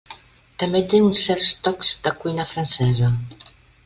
També té uns certs tocs de cuina francesa.